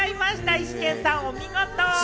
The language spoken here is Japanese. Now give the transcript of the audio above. イシケンさん、お見事！